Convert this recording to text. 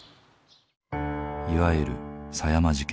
いわゆる狭山事件。